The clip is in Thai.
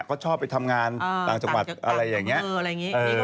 ก็ชอบไปทำงานต่างจังหวัดอะไรอย่างนี้